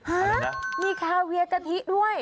ฮะมีคาเวียกะทิด้วย